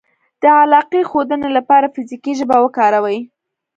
-د علاقې ښودنې لپاره فزیکي ژبه وکاروئ